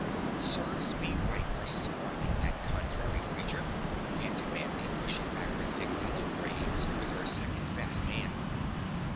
"Serves me right for spoiling the contrary creature," panted Mandy, pushing back her thick yellow braids with her second best hand.